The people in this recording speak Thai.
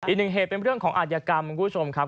อีกหนึ่งเหตุเป็นเรื่องของอาจยกรรมคุณผู้ชมครับ